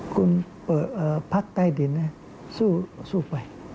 คุณเปิดภาคใต้ดินสู้ไป